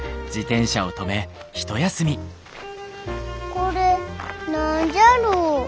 これ何じゃろう？